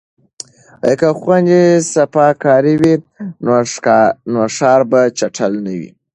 که خویندې صفاکارې وي نو ښار به چټل نه وي.